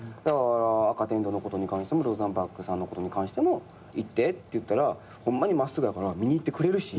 紅テントのことに関しても梁山泊さんのことに関しても行ってって言ったらホンマに真っすぐやから見に行ってくれるし。